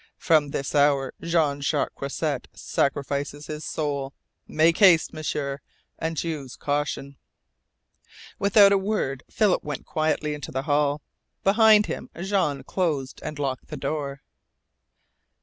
From this hour Jean Jacques Croisset sacrifices his soul. Make haste, M'sieur and use caution!" Without a word Philip went quietly out into the hall. Behind him Jean closed and locked the door.